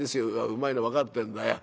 「うまいの分かってんだよ。